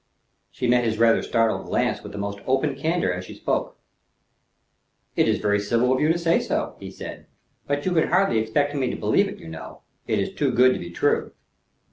She met his rather startled glance with the most open candor as she spoke. "It is very civil of you to say so," he said; "but you can hardly expect me to believe it, you know. It is too good to be true."